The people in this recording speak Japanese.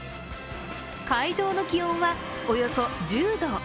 会場の気温はおよそ１０度。